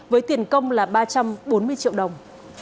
với tiền công là ba trăm bốn mươi triệu đồng